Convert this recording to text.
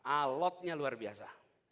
alotnya luar biasa